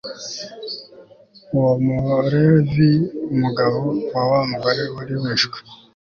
uwo mulevi, umugabo wa wa mugore wari wishwe